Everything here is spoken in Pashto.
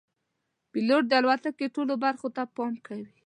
پیلوټ د الوتکې ټولو برخو ته پام کوي.